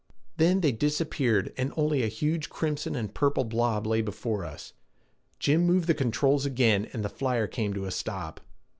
Then they disappeared and only a huge crimson and purple blob lay before us. Jim moved the controls again and the flyer came to a stop.